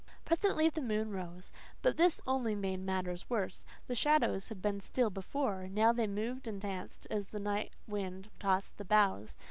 Presently the moon rose; but this only made matters worse. The shadows had been still before; now they moved and danced, as the night wind tossed the boughs.